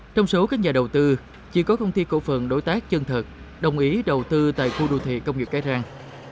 trong số các nhà đầu tư chỉ có công ty cổ phần đối tác chân thật đồng ý đầu tư tại khu đô thị công nghiệp cái răng